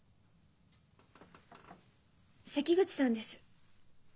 関口さんです。